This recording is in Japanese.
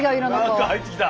何か入ってきた。